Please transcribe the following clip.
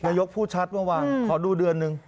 นายกผู้ชัดเมื่อวานขอดูเดือนนึง